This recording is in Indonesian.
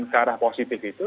ke arah positif itu